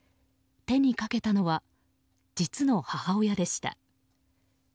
手にかけたのは実の母親でした。